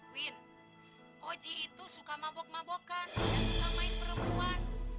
win oji itu suka mabok mabokan dan suka main perempuan